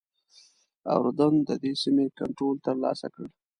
اردن ددې سیمې کنټرول ترلاسه کړ.